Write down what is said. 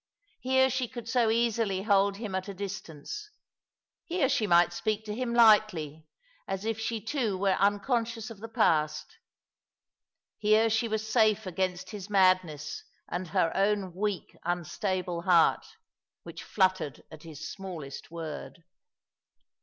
Here she could so easily hold him at a distance. Here she might speak to him lightly, as if she too were unconscious of the past. Here she was safe against his madness and her own weak unstable heart., which fluttered at his smallest word.